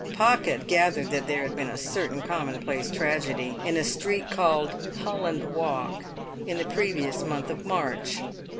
Pocket gathered that there had been a certain commonplace tragedy, in a street called Holland Walk, in the previous month of March.